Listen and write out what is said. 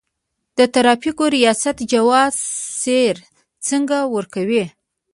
د ترافیکو ریاست جواز سیر څنګه ورکوي؟